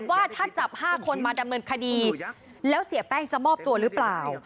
ว่าถ้าจับ๕คนมาดำเนินคดีแล้วเสียแป้งจะมอบตัวหรือเปล่า